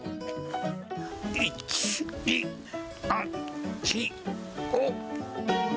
１、２、３、４、５。